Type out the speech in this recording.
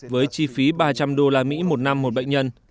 với chi phí ba trăm linh đô la mỹ một năm một bệnh nhân